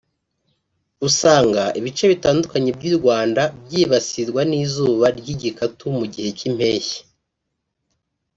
usanga ibice bitandukanye by’u Rwanda byibasirwa n’izuba ry’igikatu mu gihe cy’impeshyi